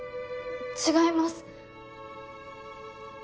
違います。